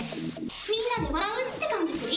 みんなで笑うって感じプリ！